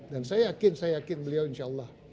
dan saya yakin saya yakin beliau insya allah